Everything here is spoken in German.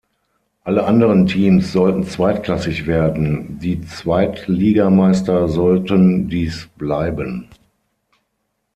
Alle anderen Teams sollten zweitklassig werden, die Zweitligameister sollten dies bleiben.